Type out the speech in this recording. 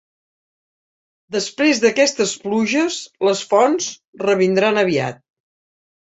Després d'aquestes pluges, les fonts revindran aviat.